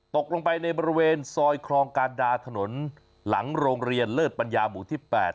ตกลงไปในบริเวณซอยคลองการดาถนนหลังโรงเรียนเลิศปัญญาหมู่ที่๘